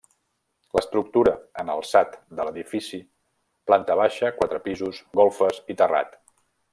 L'estructura en alçat de l'edifici planta baixa, quatre pisos, golfes i terrat.